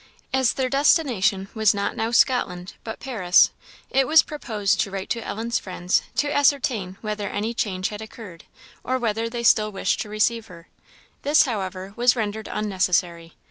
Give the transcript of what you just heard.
As their destination was not now Scotland, but Paris, it was proposed to write to Ellen's friends to ascertain whether any change had occurred, or whether they still wished to receive her. This, however, was rendered unnecessary.